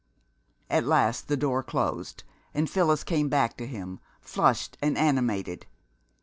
At last the door closed, and Phyllis came back to him, flushed and animated.